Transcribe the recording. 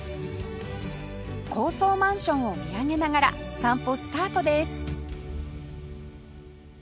高層マンションを見上げながら散歩スタートです